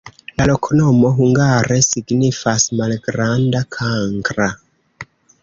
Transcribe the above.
La loknomo hungare signifas: malgranda-kankra.